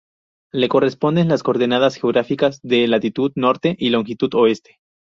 Le corresponden las coordenadas geográficas de latitud norte y de longitud oeste.